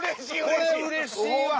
これうれしいわ！